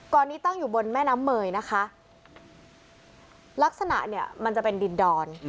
นี้ตั้งอยู่บนแม่น้ำเมยนะคะลักษณะเนี่ยมันจะเป็นดินดอน